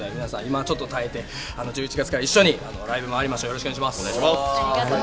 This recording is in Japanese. もうちょっと耐えてもらって、１１月から一緒にライブ回りましょう！